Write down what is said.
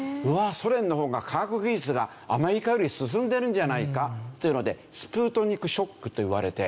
ソ連の方が科学技術がアメリカより進んでるんじゃないかというのでスプートニクショックといわれて。